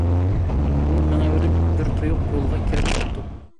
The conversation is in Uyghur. ئۇ مېڭىۋېرىپ بىر تۇيۇق يولغا كىرىپ قاپتۇ.